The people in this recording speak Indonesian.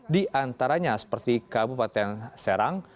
di antaranya seperti kabupaten serang